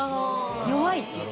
弱いっていうか。